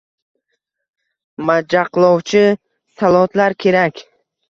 Majaqlovchi sallotlar kerak.